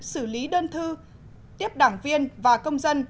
xử lý đơn thư tiếp đảng viên và công dân